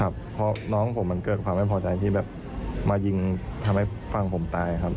เพราะน้องผมมันเกิดความไม่พอใจที่แบบมายิงทำให้ฝั่งผมตายครับ